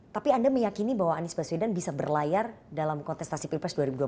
tapi anda meyakini bahwa anies baswedan bisa berlayar dalam kontestasi pilpres dua ribu dua puluh